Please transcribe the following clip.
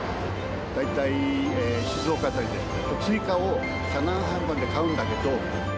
大体静岡辺りで追加を車内販売で買うんだけど。